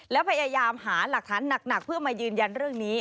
แล้วพยายามหาหลักฐานหนักเพื่อมายืนยันเรื่องนี้